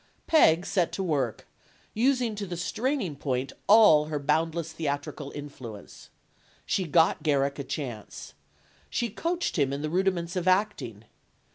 Peg set to work, using to the straining point all her boundless theatrical influence. She got Garrick a chance. She coached him in the rudiments of acting.